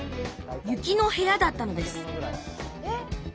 雪の部屋だったのです。